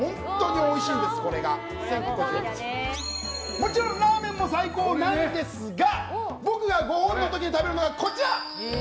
もちろんラーメンも最高なんですが僕がご褒美の時に食べるのはこちら。